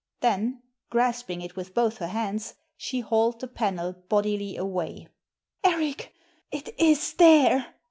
Then, grasping it with both her hands, she hauled the panel bodily away. « Eric, it is there